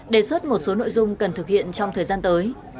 đề xuất một số nội dung cần thực hiện trong thời gian tới